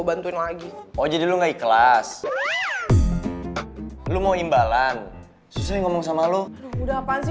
bantuin lagi oh jadi lu nggak ikhlas lu mau imbalan susah ngomong sama lu udah apaan sih